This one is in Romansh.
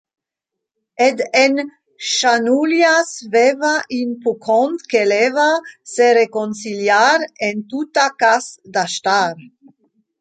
Ed en schanuglias veva in puccont che leva sereconciliar en tuttacass da star.